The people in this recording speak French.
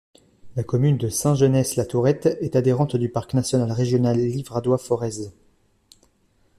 La commune de Saint-Genès-la-Tourette est adhérente du parc naturel régional Livradois-Forez.